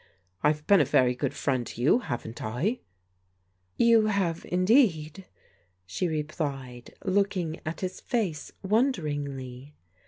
I've been a very good friend to you, haven't I ?"" You have, indeed," she replied, looking at his face wonderingly.